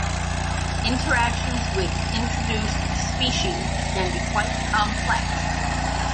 Interactions with introduced species can be quite complex.